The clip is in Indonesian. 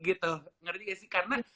gitu ngerti gak sih karena